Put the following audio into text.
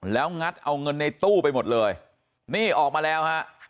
แล้วงัดเอาเงินในตู้ไปหมดเลยนี่ออกมาแล้วฮะ